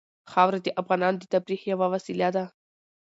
خاوره د افغانانو د تفریح یوه وسیله ده.